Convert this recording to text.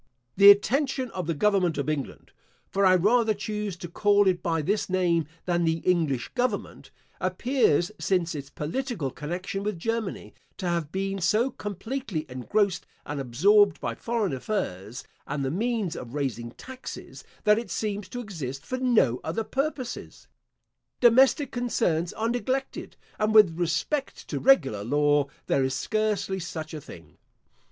The attention of the government of England (for I rather choose to call it by this name than the English government) appears, since its political connection with Germany, to have been so completely engrossed and absorbed by foreign affairs, and the means of raising taxes, that it seems to exist for no other purposes. Domestic concerns are neglected; and with respect to regular law, there is scarcely such a thing.